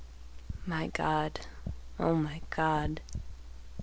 "My God! O, my God!"